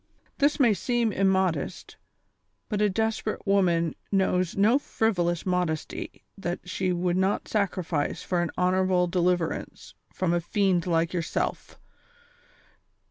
This may seem immodest, but a desperate woman knows no frivolous modesty that she would not sacrifice for an honorable deliverance from a fiend like yourself.